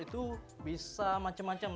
itu bisa macam macam